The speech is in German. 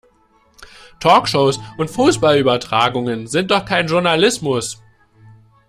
Talkshows und Fußballübertragungen sind doch kein Journalismus!